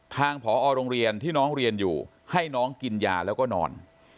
ผอโรงเรียนที่น้องเรียนอยู่ให้น้องกินยาแล้วก็นอน